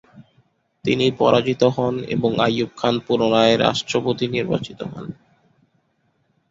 তিনি পরাজিত হন এবং আইয়ুব খান পুনরায় রাষ্ট্রপতি নির্বাচিত হন।